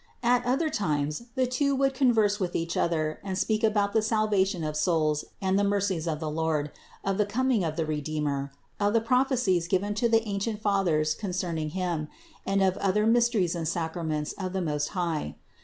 203. At other times the two would converse with each other and speak about the salvation of souls and the mercies of the Lord, of the coming of the Redeemer, of the prophecies given to the ancient Fathers concerning Him, and of other mysteries and sacraments of the Most High.